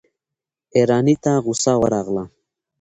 ايراني ته غصه ورغله.